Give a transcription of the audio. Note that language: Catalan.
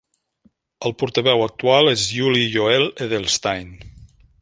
El portaveu actual és Yuli-Yoel Edelstein.